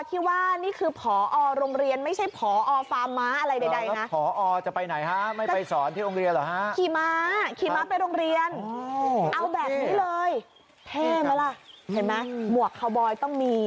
เอาแบบนี้เลยเท่ไหมล่ะเห็นไหมหมวกคาวบอยต้องมี